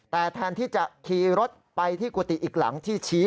แต่แทนที่จะขี่รถไปที่กุฏิอีกหลังที่ชี้